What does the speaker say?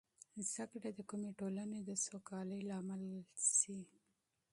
زده کړه د کومې ټولنې د سوکالۍ سبب ګرځي.